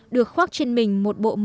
được khoác trên mình một bộ màu xanh áo